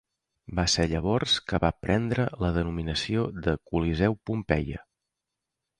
Va ser llavors que va prendre la denominació de Coliseu Pompeia.